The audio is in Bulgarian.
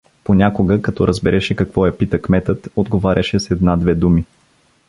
Понякога, като разбереше какво я пита кметът, отговаряше с една-две думи.